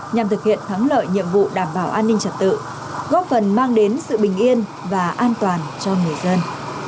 nhằm thực hiện thắng lợi nhiệm vụ đảm bảo an ninh trật tự góp phần mang đến sự bình yên và an toàn cho người dân